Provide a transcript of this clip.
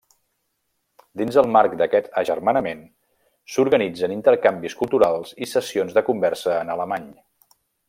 Dins el marc d'aquest agermanament, s'organitzen intercanvis culturals i sessions de conversa en alemany.